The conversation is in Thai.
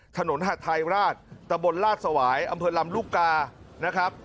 ถนนหาทัยราชตะบนราชสวายอำเภอลำลูกกานะครับ